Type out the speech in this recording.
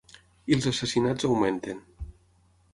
I els assassinats augmenten.